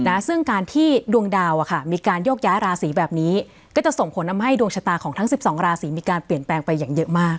นะซึ่งการที่ดวงดาวอะค่ะมีการโยกย้ายราศีแบบนี้ก็จะส่งผลทำให้ดวงชะตาของทั้งสิบสองราศีมีการเปลี่ยนแปลงไปอย่างเยอะมาก